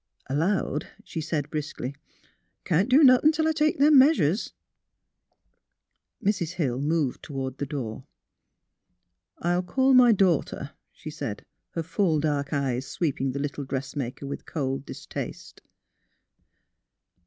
" Aloud she said, briskly: *' I can't do nothin' till I take them measures." WHERE IS SYLVIA? 191 Mrs. Hill moved toward the door. '' I'll call my daughter," she said, her full dark eyes sweeping the little dressmaker with cold dis taste.